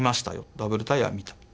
ダブルタイヤは見た。